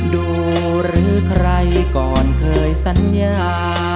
ดูหรือใครก่อนเคยสัญญา